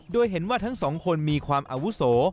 โดยเห็นว่าทั้งสองคนมีความอาวุโส